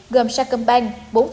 gồm sacombank bốn